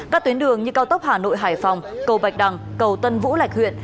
các tuyến đường như cao tốc hà nội hải phòng cầu bạch đằng cầu tân vũ lạch huyện